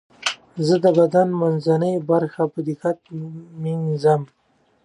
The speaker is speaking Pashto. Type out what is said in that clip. زه د بدن منځنۍ برخه په دقت مینځم.